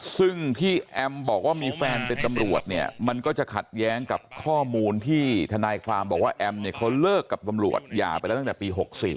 ซึ่งที่แอมบอกว่ามีแฟนเป็นตำรวจเนี่ยมันก็จะขัดแย้งกับข้อมูลที่ทนายความบอกว่าแอมเนี่ยเขาเลิกกับตำรวจหย่าไปแล้วตั้งแต่ปี๖๔